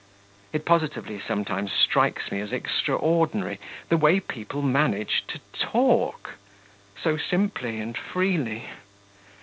It positively sometimes strikes me as extraordinary the way people manage to talk, and so simply and freely....